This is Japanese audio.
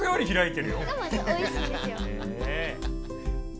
おいしいんですよ。